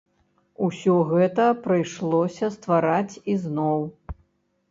Усё гэта прыйшлося ствараць ізноў.